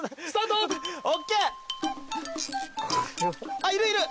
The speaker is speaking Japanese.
あっいるいる。